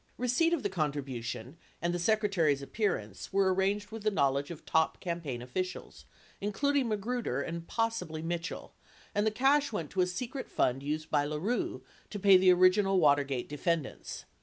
Receipt of the contribution and the Secretary's appearance were arranged with the knowledge of top campaign officials, including Ma gruder and possibly Mitchell, and the cash went: to a secret fund used by LaRue to pay the original Watergate defendants.